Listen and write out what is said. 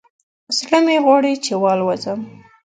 زړه مې غواړي چې والوزم